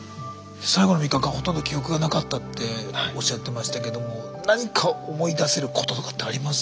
最後の３日間ほとんど記憶がなかったっておっしゃってましたけども何か思い出せることとかってあります？